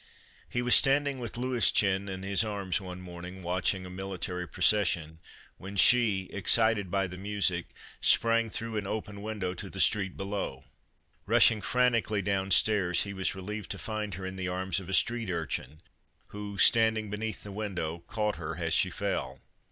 He was standing with Louischen in his arms one morning watching a military procession, when she, excited by the music, sprang through an open window to the street below. Rushing frantically down stairs he was relieved to find her in the arms Christmas Under Three rings of a street urchin who, standing beneath the window, caught her as she fell.